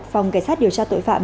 phòng cảnh sát điều tra tội phạm